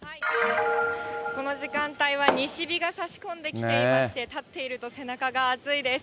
この時間帯は西日がさし込んできていまして、立っていると背中が暑いです。